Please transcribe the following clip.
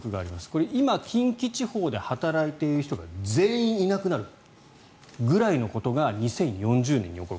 これ今、近畿地方で働いている人が全員いなくなるぐらいのことが２０４０年に起こる。